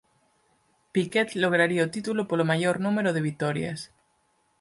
Piquet lograría o título polo maior número de vitorias.